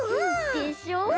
でしょ？